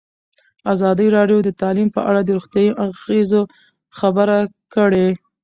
ازادي راډیو د تعلیم په اړه د روغتیایي اغېزو خبره کړې.